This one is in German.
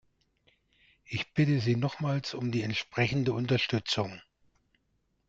Ich bitte Sie nochmals um die entsprechende Unterstützung.